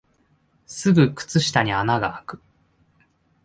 すぐ靴下に穴があく